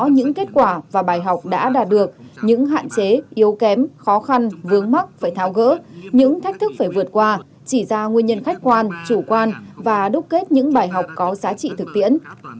những thách thức phải vượt qua chỉ ra nguyên nhân khách quan chủ quan và đúc kết những bài học có giá trị thực tiễn